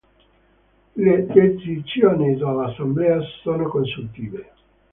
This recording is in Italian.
Le decisioni dell'assemblea sono consultive.